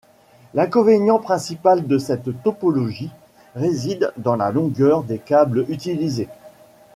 L'inconvénient principal de cette topologie réside dans la longueur des câbles utilisés.